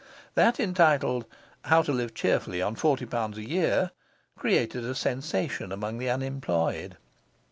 That entitled 'How to Live Cheerfully on Forty Pounds a Year', created a sensation among the unemployed.